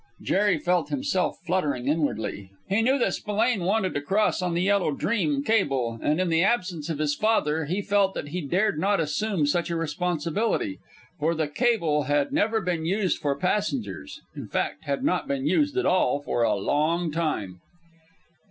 Jerry felt himself fluttering inwardly. He knew that Spillane wanted to cross on the Yellow Dream cable, and in the absence of his father he felt that he dared not assume such a responsibility, for the cable had never been used for passengers; in fact, had not been used at all for a long time.